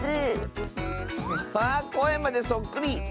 こえまでそっくり！